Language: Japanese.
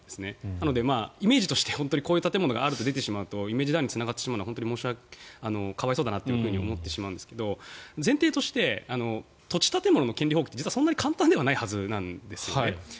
なのでイメージとしてこういう建物があると出てしまうとイメージダウンにつながってしまうと思うので本当に可哀想だと思うんですが前提として土地・建物の権利放棄ってそんなに簡単ではないはずなんですね。